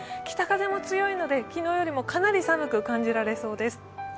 北風も強いので昨日よりもかなり寒く感じられそうです。